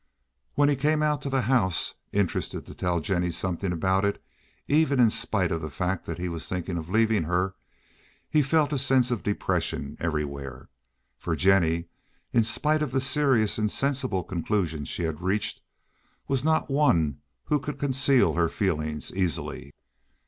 When he came out to the house, interested to tell Jennie something about it even in spite of the fact that he was thinking of leaving her, he felt a sense of depression everywhere, for Jennie, in spite of the serious and sensible conclusion she had reached, was not one who could conceal her feelings easily.